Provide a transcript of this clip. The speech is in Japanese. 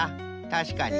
たしかに。